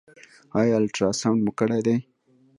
ایا الټراساونډ مو کړی دی؟